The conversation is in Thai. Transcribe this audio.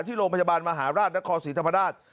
โรงพยาบาลมหาราชนครศรีธรรมราช